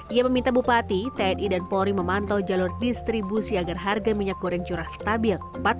ia meminta bupati tni dan polri memantau jalur distribusi agar harga minyak goreng curah stabil